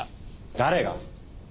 誰が？